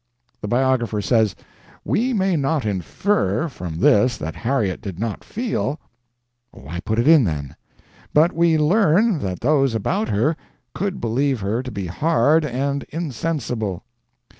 The biographer says, "We may not infer from this that Harriet did not feel" why put it in, then? "but we learn that those about her could believe her to be hard and insensible."